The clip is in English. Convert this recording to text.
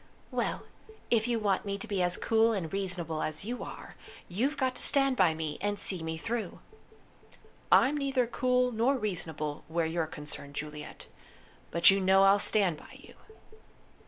"Well, if you want me to be as cool and reasonable as you are, you've got to stand by me, and see me through." "I'm neither cool nor reasonable where you're concerned, Juliet. But you know I'll stand by you."